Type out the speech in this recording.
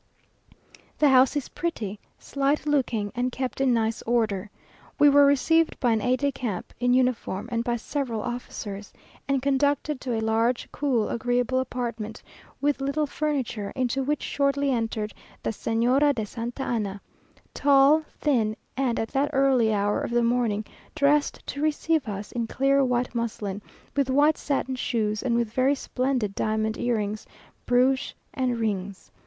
The house is pretty, slight looking, and kept in nice order. We were received by an aide de camp in uniform, and by several officers, and conducted to a large, cool, agreeable apartment, with little furniture, into which shortly entered the Señora de Santa Anna, tall, thin, and, at that early hour of the morning, dressed to receive us in clear white muslin, with white satin shoes, and with very splendid diamond earrings, brooch, and rings.